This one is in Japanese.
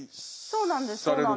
そうなんです。